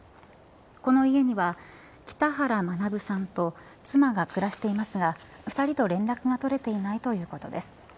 この家には北原学さんと妻が暮らしていますが２人と連絡が取れていないということです。